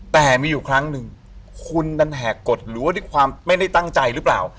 แต่มีอยู่ครั้งหนึ่งคุณดันแหกกฎหรือว่าด้วยความไม่ได้ตั้งใจหรือเปล่า